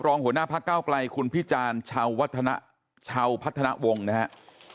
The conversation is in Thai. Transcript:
รองหัวหน้าภักดาวใกล้คุณพี่จาญชาวพัฒนาวงศ์นะครับ